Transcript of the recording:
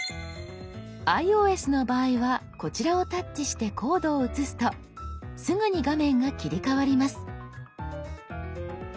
ｉＯＳの場合はこちらをタッチしてコードを写すとすぐに画面が切り替わります。